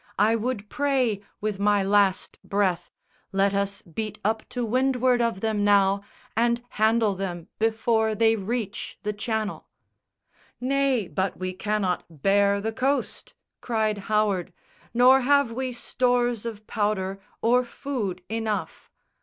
I would pray with my last breath, Let us beat up to windward of them now, And handle them before they reach the Channel." "Nay; but we cannot bare the coast," cried Howard, "Nor have we stores of powder or food enough!"